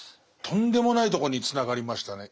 とんでもないとこにつながりましたね。